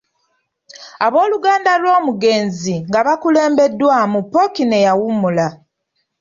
Abooluganda lw’omugenzi nga bakulembeddwamu Ppookino eyawummula.